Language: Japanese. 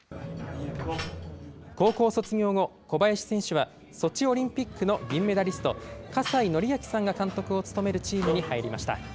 高校卒業後、小林選手はソチオリンピックの銀メダリスト、葛西紀明さんが監督を務めるチームに入りました。